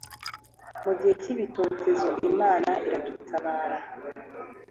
mu gihe cy ibitotezo imana iradutabara